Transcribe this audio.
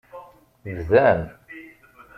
Bdan.